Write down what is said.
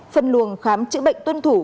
phân luồng khám chữa bệnh tuân thủ